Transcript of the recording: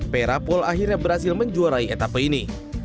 perapol akhirnya berhasil menjuarai etape ini